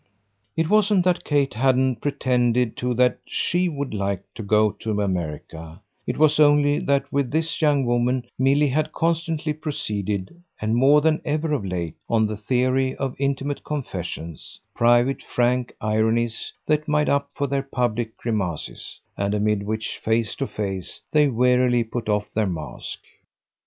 It wasn't that Kate hadn't pretended too that SHE should like to go to America; it was only that with this young woman Milly had constantly proceeded, and more than ever of late, on the theory of intimate confessions, private frank ironies that made up for their public grimaces and amid which, face to face, they wearily put off the mask.